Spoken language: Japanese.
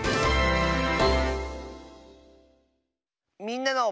「みんなの」。